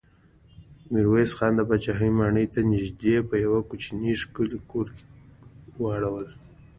ميرويس خان د پاچا ماڼۍ ته نږدې په يوه کوچيني ښکلي کور کې واړول.